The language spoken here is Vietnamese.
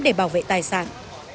để bảo vệ tài sản